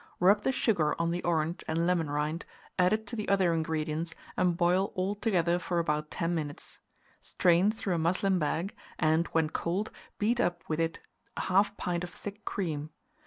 Rub the sugar on the orange and lemon rind, add it to the other ingredients, and boil all together for about 10 minutes. Strain through a muslin bag, and, when cold, beat up with it 1/2 pint of thick cream.